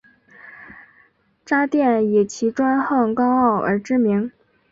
渣甸以其专横高傲而知名。